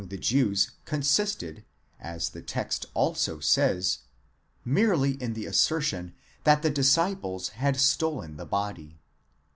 RESURRECTION OF JESUS, 709 the Jews consisted, as the text also says, merely in the assertion that the dis ciples had stolen the body.